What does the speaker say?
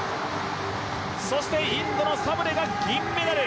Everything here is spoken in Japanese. そしてインドのサブレが銀メダル。